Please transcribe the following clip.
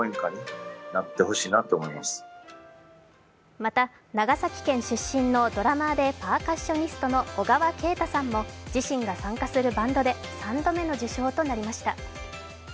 また、長崎県出身のドラマーでパーカッショニストの小川慶太さんも自身の参加するバンドで３度目の受賞となりました。